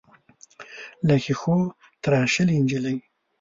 له ښیښو تراشلې نجلۍ.